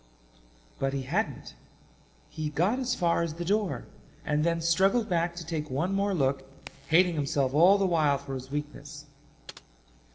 But he hadn't. He got as far as the door and then struggled back to take one more look, hating himself all the while for his weakness.